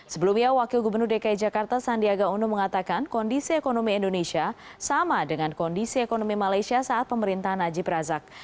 sebelumnya wakil gubernur dki jakarta sandiaga uno mengatakan kondisi ekonomi indonesia sama dengan kondisi ekonomi malaysia saat pemerintahan najib razak